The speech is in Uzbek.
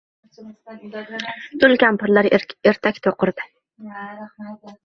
Tul kampirlar ertak toʻqirdi